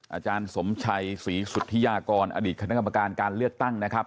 อาจารย์สมชัยศรีสุธิยากรอดีตคณะกรรมการการเลือกตั้งนะครับ